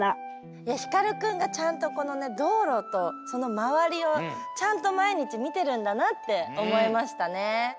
いやひかるくんがちゃんとこのどうろとそのまわりをちゃんとまいにちみてるんだなっておもいましたね。